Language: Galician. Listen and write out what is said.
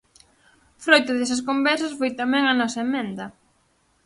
Froito desas conversas foi tamén a nosa emenda.